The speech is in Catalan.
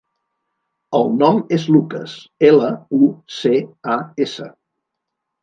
El nom és Lucas: ela, u, ce, a, essa.